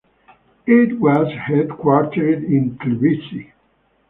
It was headquartered in Tbilisi.